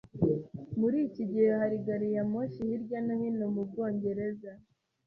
Muri iki gihe hari gari ya moshi hirya no hino mu Bwongereza.